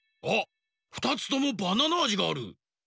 あっ２つともバナナあじがある！